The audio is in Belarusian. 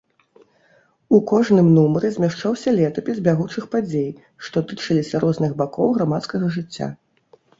У кожным нумары змяшчаўся летапіс бягучых падзей, што тычыліся розных бакоў грамадскага жыцця.